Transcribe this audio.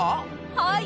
はい。